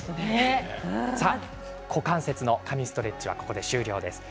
股関節の神ストレッチはこれで終了です。